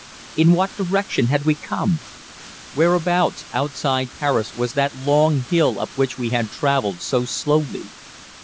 In what direction had we come? Whereabouts, outside Paris, was that long hill up which we had travelled so slowly?